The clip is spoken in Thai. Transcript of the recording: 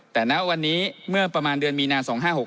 แต่ณวันนี้เมื่อประมาณเดือนมีนา๒๕๖๖